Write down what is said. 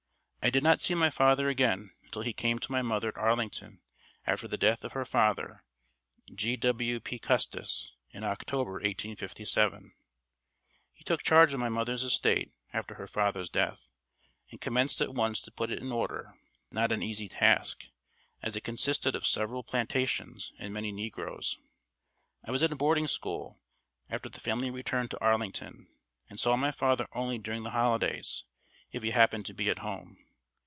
I did not see my father again until he came to my mother at Arlington after the death of her father, G. W. P. Custis, in October, 1857. He took charge of my mother's estate after her father's death, and commenced at once to put it in order not an easy task, as it consisted of several plantations and many negroes. I was at a boarding school, after the family returned to Arlington, and saw my father only during the holidays, if he happened to be at home.